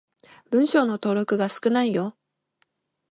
文章の登録が少ないよ。